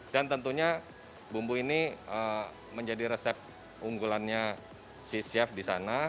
dan tentunya bumbu ini menjadi resep unggulannya si chef di sana